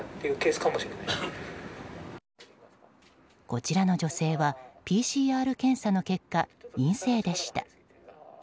こちらの女性はＰＣＲ検査の結果、陰性でした。